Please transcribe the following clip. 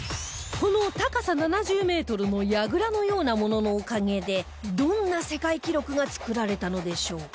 この高さ７０メートルのやぐらのようなもののおかげでどんな世界記録が作られたのでしょう？